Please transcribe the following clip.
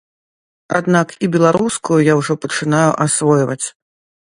Аднак і беларускую я ўжо пачынаю асвойваць.